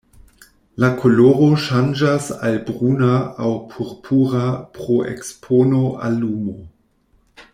La koloro ŝanĝas al bruna aŭ purpura pro ekspono al lumo.